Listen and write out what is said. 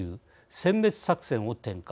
せん滅作戦を展開。